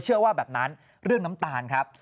ว่าแบบนั้นเรื่องน้ำตาลครับ